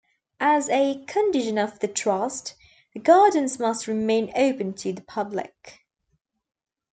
As a condition of the Trust, the Gardens must remain open to the public.